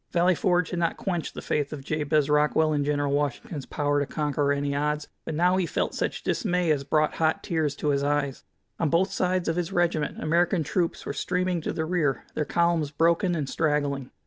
Valley Forge had not quenched the faith of Jabez Rockwell in General Washington's power to conquer any odds, but now he felt such dismay as brought hot tears to his eyes. On both sides of his regiment American troops were streaming to the rear, their columns broken and straggling.